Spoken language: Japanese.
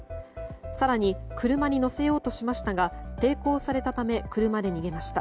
更に、車に乗せようとしましたが抵抗されたため車で逃げました。